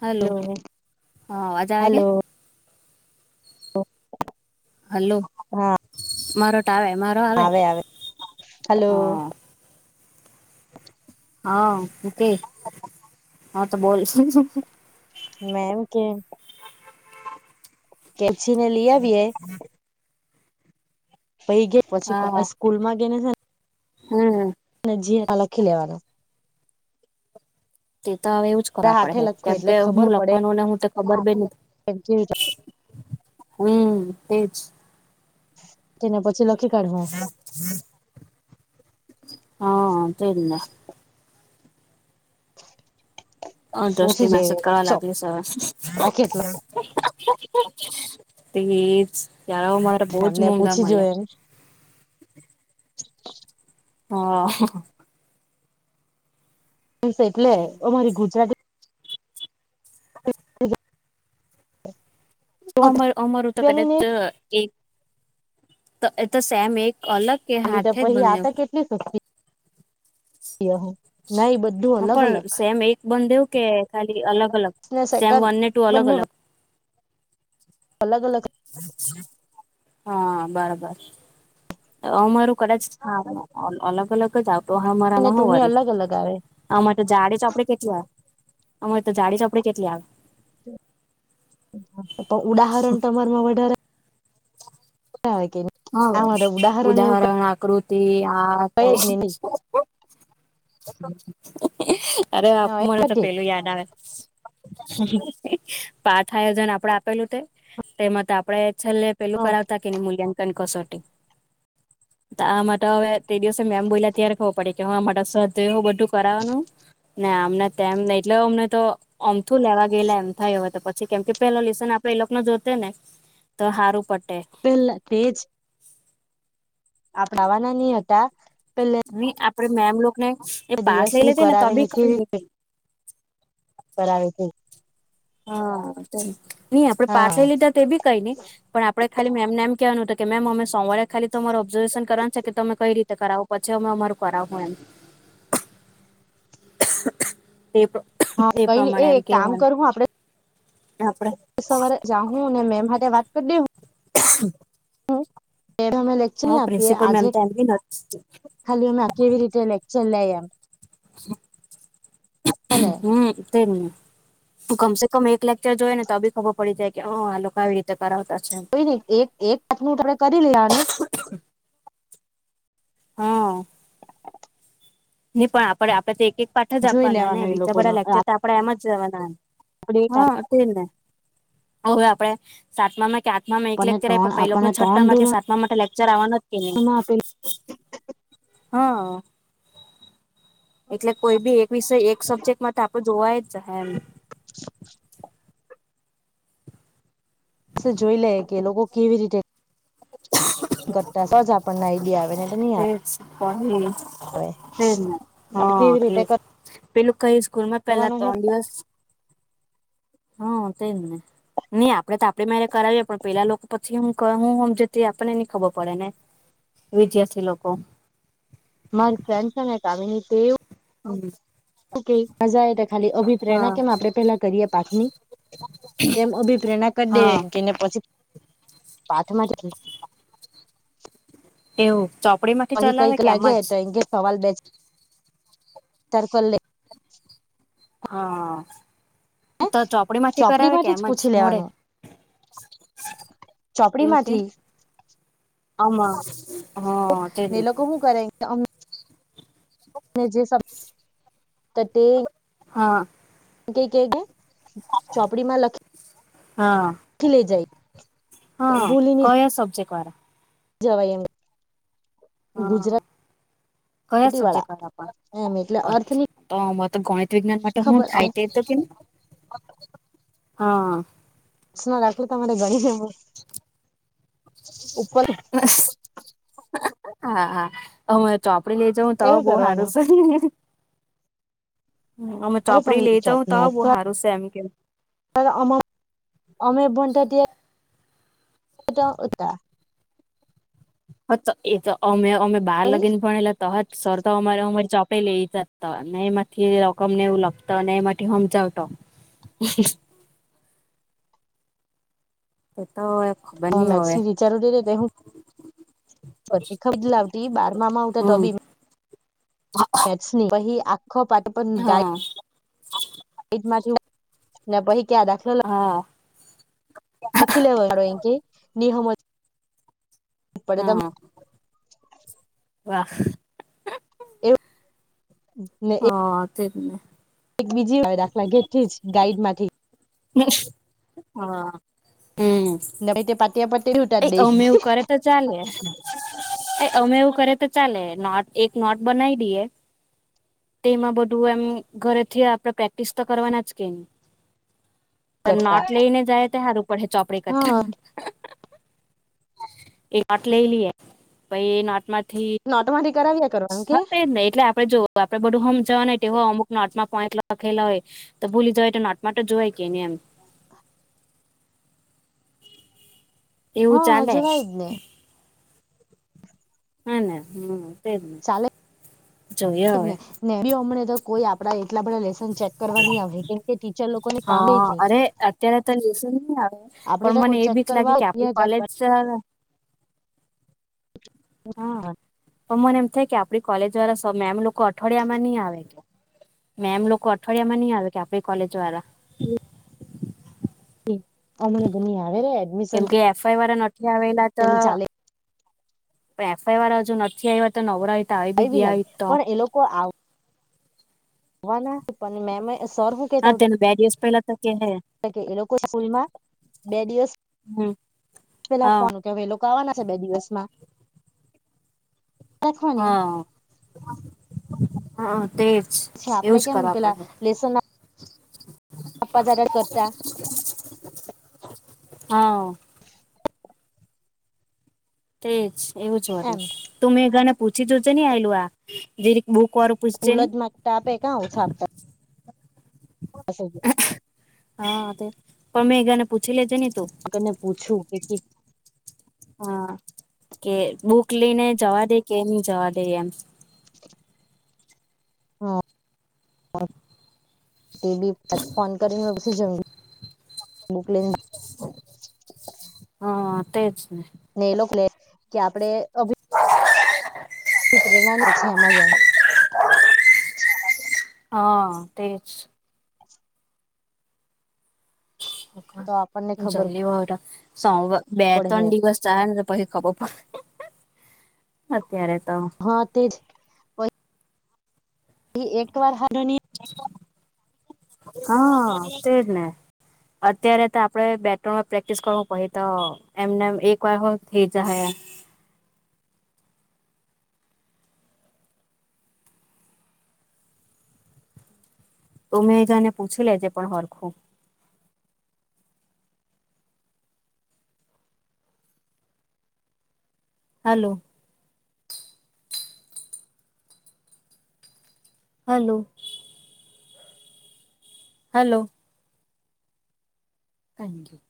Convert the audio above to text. Hello. હા અવાજ આવે કે? Hello hello. હા મારો તો આવે મારો આવે હલો હા. હા હું કેય હા તો બોલ. મે એમ કેમ કેલ્છી ને લીયાવયે પૈહિ ગય પછી કરા સ્કૂલ માં જઈને છે ને હા. અને જી માં લખી લેવાનું. તે તો હવે એવું જ કરવા પડે હાથે હે લખું કેમ એટલે કે હું ખબર પડે લખવાનું ને હું તે ખબર બી ની. [unintelligible] હમમ તેજ. તેમાં પછી લખી કાઢહું. હા તે જ ને. અ પૂછી દ્રષ્ટી જોઈ મેસેજ કરવા ચો લાગ્યું સ. રાખી એટલ તેજ મારે બહ જ એમને મોંગા પૂછી મળલ જોઈ એમ હાં. બસ એટલે અમારી ગુ. હ [unintelligible] [inaudible] હ [unintelligible] [unintelligible] અમર અમર હો તો કદાચ એક તો સેમ એક અલગ કે એલી તો હાથે જ પછી બંને આ તો કેટલી સુખી. એહો ના એ બઘું અલગ અલગ. બંધ દેવું કે ખાલી અલગ અલગ ને સેમ સેકન્ડ વન ને ટુ અલગ બંને અલગ અલગ અલગ. હા બરાબર. અ મારું કડાજ અલગ અલગ જ‌ આતો હારામાં ટુની હોરી. અલગ અલગ આવે અરે તો જાડીે ચોપડીે કેટલી આવે અરે તો જાડીે ચોપડી કેટલી આવે. પણ ઉદાહરણ તમારમાં વધારે. હા [unintelligible] [inaudible] હા બર ઉદાહરણ આકૃતિ આટ. કઈ જ નહી અરે આપ મને તો પેલું યાદ આવે. પાઠ આયોજન આપડે આપેલું તે. તેમાં તો આપડે છેલ્લે પેલું કરાવતા કે મૂલ્યાંકન કસોટી હ [unintelligible] [unintelligible] આ માટે હવે તે દિવસે મેમ બોલ્યા ત્યારે ખબર પડે કે હ આ સ બધું કરાવવાનું ના આમને તેમમ ન એટલે અમને તો આમથું લેવા ગેલા એમ થાય હય તો પછી કેમ કે પેલા લસન આપડે એ લોકોને જોતે ને. તો સારું પટે. પહેલા તેજ. આપડાવાના નહ હતા પેલે. ની આપડે મેમલોક ને એ પાસ લઈ હું લેતી ને ત કરાવે બી કઈ કેવી ની. કરાવે છે. હા નઈ આપડે પાઠ હા લઈ લીધા તો બી કઈ નઈ પણ આપ. આપણે ખાલી મેમને એમ કેહેવાનું હતું કે મેમ અમે સોમવારે ખાલી તમારે ઓબ્ઝર્વેશન કરવાનું છે કે તમે કઈ રીતે કરાવો પછી અમે અમારું કરાવ હો એમ. [inaudible] [unintelligible] તે હા તે કઈ નઈ પ્રમાણે એ એમ કામ કેવાનું. કરું આપડે ને આપડે. સવારે જા હું ને મેંમ હાતે વાત કરી દેઉ. હમ પેઢમે લે. હા પ્રિન્સિપલ મેમ તો એમ બી ખાલી અમે કેવી રીતે લેકચર લે એમ હેને હમ તેને. તું કમસે કમ એક લેકચર જોઈ ને તો બી ખબર પડી જાય કે હ આ લોકો આવી રીતે કરાવતા છેમ. એક એક વા નું તમે કરી લેવાનું. હું. [inaudible] [unintelligible] નઈ પણ આપણે આપડે તો એક એક પાઠ જ જોઈ આપવાના લેવાનું ને એ બીજા બધા લોકોનું લેક્ચર તો આપણેે એમાં જવાના. [inaudible] ઇ ને હવે આપણે સાતમામાં ક્યા મામાં એક આપણને લેક્ચર આવી ત્રણ પપ્પા એ આપણને લોકોકને ત્રણ છઠ્ઠામાં કે ધોરણમાં સાતમા માટે લેક્ચર આવવાના કેન‌ઈ. આપેલું હા. એટલે કોઈ બી એક વિષય એક સબ્જેક્ટમાં તો આપડે જોવાય જ એમ જોઈ લઈએ કે એ લોકો કેવી રીતે કરતા હશે. તો જ આપણને આઈડિયા આવે ને તો નહી આવે. [unintelligible] એ જ ને હ.. આપણે કેવી એ રીતે જ. પેલું કઈ સ્કૂલમાં પેલા કરવાનું હે ત્રણ દિવસ હ.. તે જ ને. ની આપડે તો આપડે મેરે કરાવીએ, પણ પેલા લોકો પછી હું કરે હું હમજે તે આપણને ની ખબર પડે ને. વિધાર્થી લોકો. મારી ફ્રેન્ડ છે ને કામિની. તે એવુ હમ. મજા એ કે ખાલી અભિપ્રાય ના હા કેમ આપડે પેહલા કરીએ પાછું નય તેમ અભિપ્રેરણા કર દઈએ હા કેને પછી [inaudible] પાથમાંથી એવું ચો કઈ કઈક લાગે તો [unintelligible] બેચાર કર લે. હા, તો ચોપડીમાંથી ચોપડી કરાવે કે માંથી એમ જ પૂછી મોઢે? લેવાનું ચોપડી એવું કે માંથી આમાં તો હા તે ને લોકો હું કરે આમ જે [inaudible] તો તે હા. [unintelligible] કે ચોપડીમાં લખી હા લઈ જાય હા ભૂલી ની કયા સબજેક્ટ વારા? જવાય એમ. હા ગુજરાત કયા સબ્જેક્ટ કરાવવા? એમ એટલે અચ્છા. અર્થની તો આમાં તો ગણિત વિજ્ઞાન માટે હું ખબર થાય તે તો કે. હા. [unintelligible] તમારે ગણી જ ઉપર હા હા. હું ચોપડી લે તમે એવું બઉ હારુ કરવાનું કર્યુ અમે અરે ચોપડી પણ લેતો ચો તો બહુ હારુ સે એમ કે. અમ [inaudible] અમે ભણતા ત્યાં તા ઉતા. હ તો એ તો અમે અમે બાર લગીન ભણેલા તો જ સર તો અમારે અમારી ચોપડી લઈધ એમાંથી રકમ ને એવું લખ તો અને એમાંથી હમજાવ તો. એ તો એ ખબ હ [unintelligible] વિચાર હું ખબ લાવતી બારમાં આવુ તો હમ બી [inaudible] પહિ આખો પાઠ પણ ગાય હા ગણિતમાં [unintelligible] પહિ ક્યાં દાખલો લખ હા. લખી લો અહીં આગળ એમ કે નિ હમજ પડદાં મ હા વાહ! એવું [unintelligible] હ તે જ ને. એક બીજી વા દાખલા ઘેરથી જ ગાઈડમાંથી. હા, હમ્મ. નવી તે પાત [unintelligible] એ અમે એવું કરે તો ચાલે. અમે એવું કરે તો ચાલે નોટ એક નોટ બનાવી દઈએ તેમાં બધું એમ ઘરેથી આપડે પ્રેક્ટિસ તો કરવાના જ કે. તે કરતા નોટ લઈને જાય તો હારુ પડે ચોપડી કરતા. હા એ નાટ લઈ લઈએ પાઈ એ નાટ માંથી નોટમાંંધથી કરાવીએ. હા તો એજ ને એટલે આપડે જો આપડે બધું હમજાવા તે હો અમુક નોટમાં પોઇન્ટ લખેલા હોય તો ભૂલી જવાય તો નોટમાંટ જોય કેની એમ. એવું હા ચાલે. જવાય જ ને હાને હમ્મ તેજને. ચાલે ને ને બી હમને તો કોઈ આપડા એટલા બધા લેસન ચેક કરવાની આવે કે તે ટીચર લોકો ને કામે હા કે. અરે અત્યારે તો લેસન નહી આવે આપડે પણ તો મને કોઈ એ ચેક બી કરવા લાગે કે આપડી કોલેજ હા, પણ મને એમ થાય કે આપડી કોલેજ વાળા એમ લોકો અઠવાડિયા માં નહી આવે કે. મેમ લોકો અઠવાડિયા માં નહી આવે કે આપણી કોલેજ વાળા. હમ્મ. હમ્મ, અમને તો આવે એ. કેમ કે એફ આઈ વાળા નથી આવેલા તો ચાલે એફ આઈ વાર હજુ નથી આવ તો નવરા હોય આઈ બી કઈ ગયા લાગે આતો. પણ એ લોકો આવ વાના કે પણ મેમે સરહું હા તેનું બે દિવસ પહેલા તો કે હે [unintelligible] એ લોકો સ્કૂલમાં બે દિવસ, હમ પેલા હા ફોન કે એ લોકો આવવાના છે બે દિવસમાં. રાખવાની હા, હા તે છે આપડે કેમ પેલા લેસન આપા જારે કરતા. હા. તેજ એવું જ હોર એમ તું મેંઘા ને પૂછી જોજ ને આલું આજે રી બૂકર ફૂલ જ ટા આપે કા હું છાપ. અસો. હા તે, પણ મેગાને પૂછી લેજે ને તું. કને પૂછું કે હા કે બુક લઈને જવા દે કે નઈ જવા દે એમ. હમ્મ તે બી ફોન કરીને પછી જવુ. બુકલિંગ હા તેજ. ને એ લોકો લે કે આપડે કે પ્રેરણા ને પછે આમાં જ હતા. હા તે જ. તો આપણને ખબર જંગલી વારા સોમવાર બે પડે હે ત્રણ દિવસ પછી ખબર પડે, અત્યારે તો હા તે જ. એક વાર હારુનિ હા તેજને. અત્યારે તો આપડે બે ત્રણ વાર પ્રેક્ટિસ કરું પડે તો. એમનેમ એક વાર હો થઈ જા હે. તું મેગાને પૂછી લેજે પણ હરખું. હાલો. હાલો. હાલો. Thank you.